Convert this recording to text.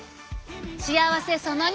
幸せその２。